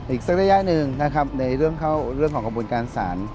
อีกสักระยะหนึ่งในเรื่องของกระบุรุการศาล